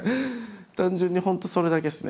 単純に本当それだけですね。